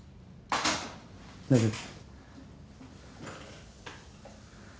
大丈夫。